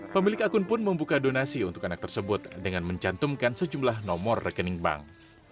pemilik akun pun membuka donasi untuk anak tersebut dengan mencantumkan sejumlah nomor rekening bank